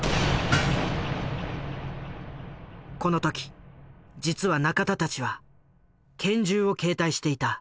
この時実は仲田たちは拳銃を携帯していた。